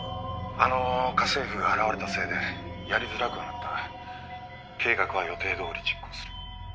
「あの家政婦が現れたせいでやりづらくはなったが計画は予定どおり実行する」